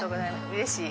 うれしい。